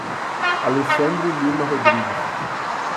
Alessandro Lima Rodrigues